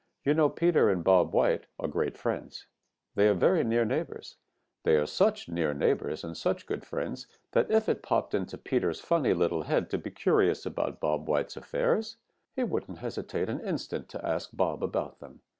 You know Peter and Bob White are great friends. They are very near neighbors. They are such near neighbors and such good friends that if it popped into Peter's funny little head to be curious about Bob White's affairs, he wouldn't hesitate an instant to ask Bob about them.